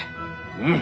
うん！